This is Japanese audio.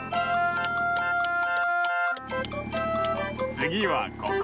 つぎはここ！